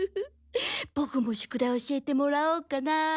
ボクも宿題教えてもらおうかな。